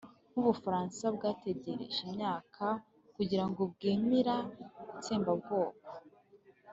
Nk'u Bufaransa bwategereje imyaka kugira ngo bwemera itsembabwoko